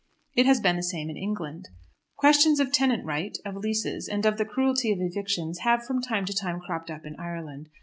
It has been the same in England. Questions of tenant right, of leases, and of the cruelty of evictions have from time to time cropped up in Ireland.